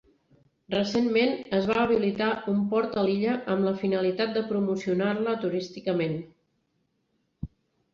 Recentment es va habilitar un port a l'illa amb la finalitat de promocionar-la turísticament.